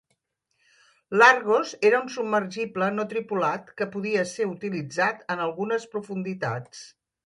L'Argos era un submergible no tripulat que podia ser utilitzat en algunes profunditats.